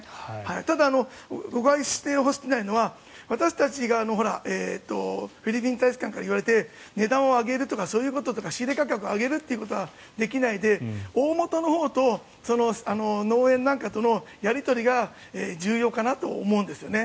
ただ、誤解してほしくないのは私たちがフィリピン大使館から言われて値段を上げるとかそういうこととか仕入れ価格を上げるということができないで大本のほうと農園なんかとのやり取りが重要かなと思うんですよね。